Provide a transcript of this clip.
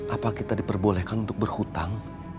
apa kita diperbolehkan untuk berhutang